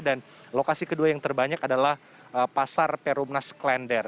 dan lokasi kedua yang terbanyak adalah pasar perumnas klender